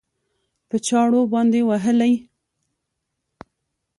په چاړو باندې وهلى؟